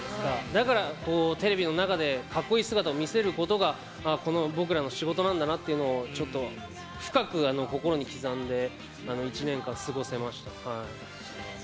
だからテレビの中でかっこいい姿を見せることが僕らの仕事なんだなって深く心に刻んで１年間、過ごせました。